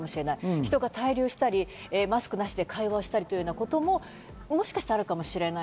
人が滞留したり、マスクなしで会話をしたりということももしかしたらあるかもしれない。